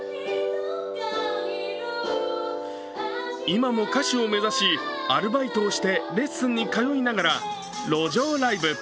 今も歌手を目指し、アルバイトをしてレッスンに通いながら路上ライブ。